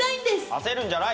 焦るんじゃない。